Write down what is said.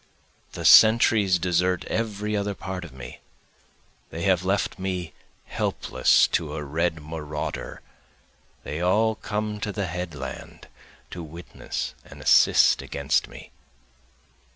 The sentries desert every other part of me, They have left me helpless to a red marauder, They all come to the headland to witness and assist against me.